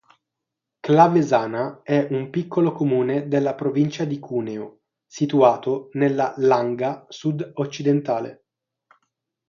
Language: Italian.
Clavesana è un piccolo comune della provincia di Cuneo situato nella Langa sud-occidentale.